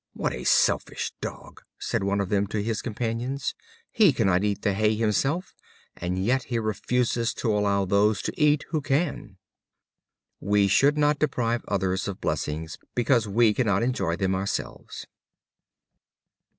"What a selfish Dog!" said one of them to his companions; "he cannot eat the hay himself, and yet refuses to allow those to eat who can." We should not deprive others of blessings because we cannot enjoy them ourselves.